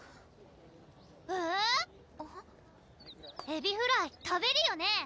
エビフライ食べるよね？